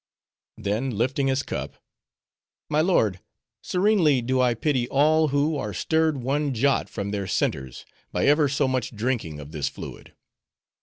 Then, lifting his cup, "My lord, serenely do I pity all who are stirred one jot from their centers by ever so much drinking of this fluid.